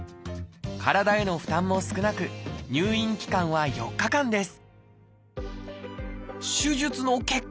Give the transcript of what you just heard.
体への負担も少なく入院期間は４日間です。